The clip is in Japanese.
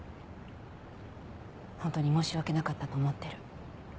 ホントに申し訳なかったと思ってる。